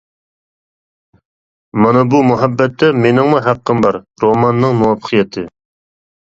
مانا بۇ «مۇھەببەتتە مېنىڭمۇ ھەققىم بار» رومانىنىڭ مۇۋەپپەقىيىتى.